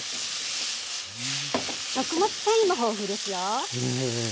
食物繊維も豊富ですよ。